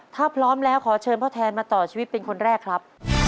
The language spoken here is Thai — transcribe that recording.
ถ้าพร้อมแล้วขอเชิญพ่อแทนมาต่อชีวิตเป็นคนแรกครับ